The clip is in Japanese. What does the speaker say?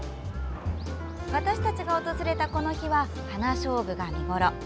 私たちが訪れたこの日はハナショウブが見頃。